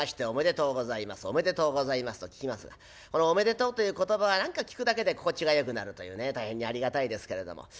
「おめでとうございます」と聞きますがこの「おめでとう」という言葉は何か聞くだけで心地がよくなるというね大変にありがたいですけれども。